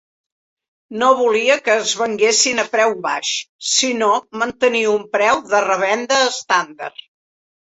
No volia que es venguessin a preu baix, si no mantenir un preu de revenda estàndard.